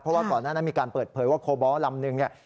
เพราะว่าก่อนหน้านั้นมีการเปิดเผยว่าโคบอลลำนึงเนี่ย